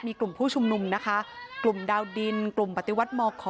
มีกลุ่มผู้ชุมนุมนะคะกลุ่มดาวดินกลุ่มปฏิวัติมค